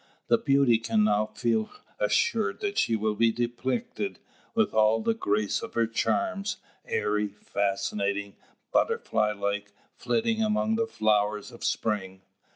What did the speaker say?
The beauty can now feel assured that she will be depicted with all the grace of her charms, airy, fascinating, butterfly like, flitting among the flowers of spring.